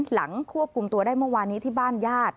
หลังควบคุมตัวได้เมื่อวานนี้ที่บ้านญาติ